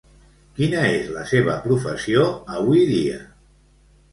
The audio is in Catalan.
Quina és la seva professió avui dia?